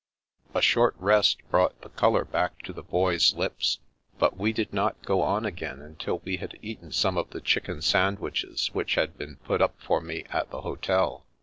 A short rest brought the colour back to the Boy's lips, but we did not go on again until we had eaten some of the chicken sandwiches which had been put up for me at the hotel.